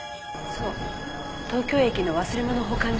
そう東京駅の忘れ物保管所に。